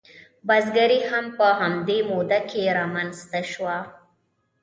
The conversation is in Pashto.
بزګري هم په همدې موده کې رامنځته شوه.